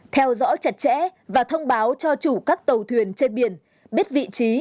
theo dõi chặt chẽ và thông báo cho chủ các tàu thuyền trên biển biết vị trí